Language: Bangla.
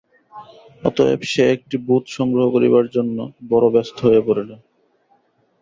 অতএব সে একটি ভূত সংগ্রহ করিবার জন্য বড় ব্যস্ত হইয়া পড়িল।